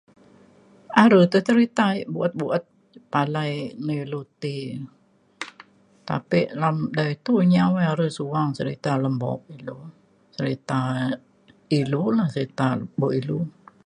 are tai terita ik buet buet palai ne ilu ti tape lam le itu nyau e are suang cerita alem bok ilu cerita ilu la cerita lepo' ilu